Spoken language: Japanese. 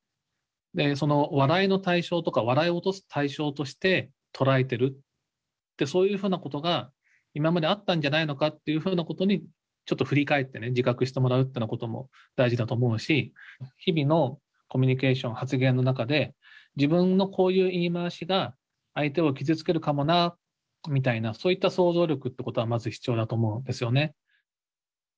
でその笑いの対象とか笑い落とす対象として捉えてるってそういうふうなことが今まであったんじゃないのかっていうふうなことにちょっと振り返ってね自覚してもらうっていうようなことも大事だと思うし日々のコミュニケーション発言の中で自分のこういう言い回しが相手を傷つけるかもなみたいなそういった想像力ってことはまず必要だと思うんですよね。